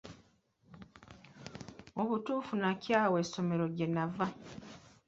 Mu butuufu nnakyawa essomero gye nnava.